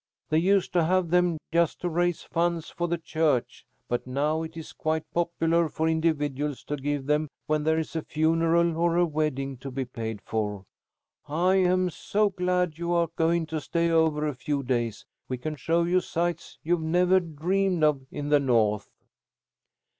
They used to have them just to raise funds for the church, but now it is quite popular for individuals to give them when there is a funeral or a wedding to be paid for. I am so glad you are going to stay over a few days. We can show you sights you've never dreamed of in the North."